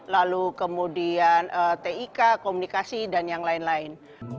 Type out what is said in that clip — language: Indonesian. lalu kemudian tik komunikasi dan yang lain lain